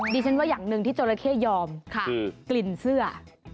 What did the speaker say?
ดิฉันว่าอย่างหนึ่งที่จราเข้ยอมคือกลิ่นเสื้อ